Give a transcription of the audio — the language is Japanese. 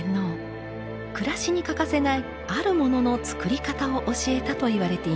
暮らしに欠かせないある物の作り方を教えたといわれています。